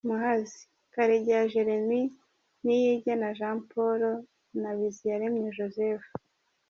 Muhazi: Karegeya Jeremie, Niyigena Jean Paul na Biziyaremye Joseph.